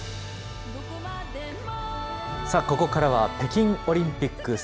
さあ、ここからは北京オリンピック。